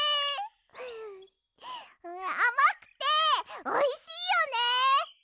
フフッあまくておいしいよね。